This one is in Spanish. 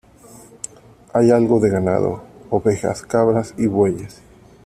Hay algo de ganado: ovejas, cabras y bueyes.